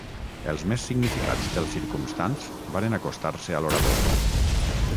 Els més significats dels circumstants varen acostar-se a l'orador